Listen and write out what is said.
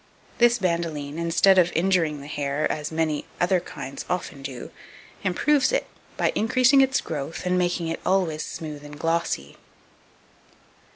This bandoline, instead of injuring the hair, as many other kinds often do, improves it, by increasing its growth, and making it always smooth and glossy.